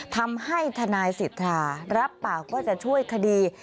ทำให้ทนายสิทธารับปากว่าจะช่วยคดี